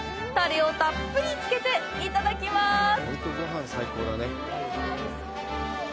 タレをたっぷりつけていただきます！